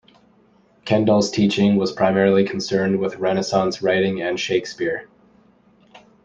Kendall's teaching was primarily concerned with Renaissance writing and Shakespeare.